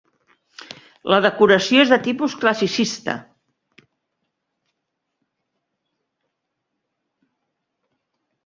La decoració és de tipus classicista.